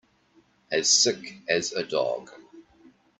As sick as a dog.